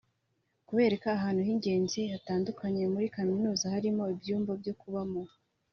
kubereka ahantu h’ingezi hatandukanye muri kaminuza harimo ibyumba byo kubamo